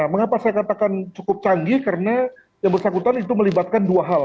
mengapa saya katakan cukup canggih karena yang bersangkutan itu melibatkan dua hal